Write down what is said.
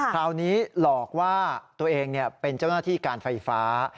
คราวนี้หลอกว่าตัวเองเป็นเจ้าหน้าที่การไฟฟ้า